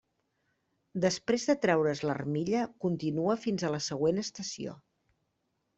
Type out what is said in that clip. Després de treure's l'armilla, continua fins a la següent estació.